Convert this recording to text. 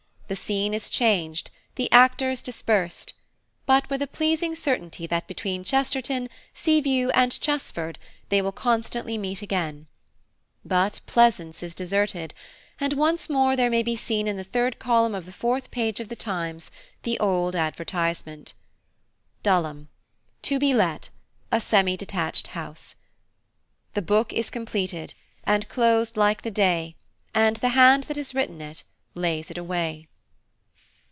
The scene is changed, the actors dispersed, but with a pleasing certainty that between Chesterton, Seaview, and Chesford they will constantly meet again; but Pleasance is deserted, and once more there may be seen in the third column of the fourth page of the Times the old advertisement. DULHAM.–To be let, a Semi Detached House. The book is completed And closed like the day, And the hand that has written it Lays it away.